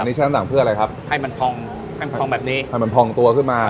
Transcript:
อันนี้ใช้น้ำหนักเพื่ออะไรครับให้มันพองให้พองแบบนี้ให้มันพองตัวขึ้นมา